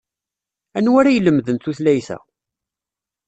Anwa ara ilemden tutlayt-a?